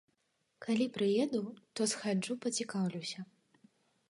Калі прыеду, то схаджу пацікаўлюся.